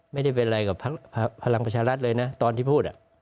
ไม่ได้เป็นอะไรกับพลังประชารัฐเลยนะตอนที่พูด